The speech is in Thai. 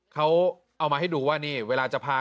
เขาเอามาให้ดูว่านี่เวลาจะพา